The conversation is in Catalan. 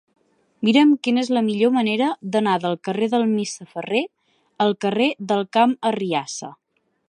Mira'm quina és la millor manera d'anar del carrer del Misser Ferrer al carrer del Camp Arriassa.